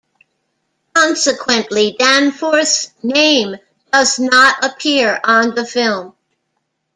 Consequently, Danforth's name does not appear on the film.